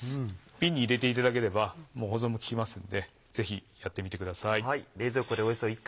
瓶に入れていただければ保存も利きますのでぜひやってみてください。